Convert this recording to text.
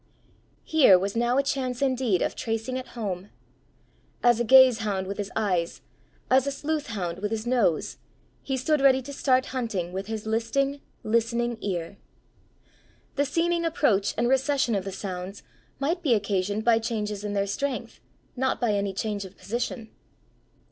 Here was now a chance indeed of tracing it home! As a gaze hound with his eyes, as a sleuth hound with his nose, he stood ready to start hunting with his listing listening ear. The seeming approach and recession of the sounds might be occasioned by changes in their strength, not by any change of position!